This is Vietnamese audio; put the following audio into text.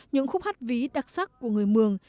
những khúc hát ví đặc sắc của người mường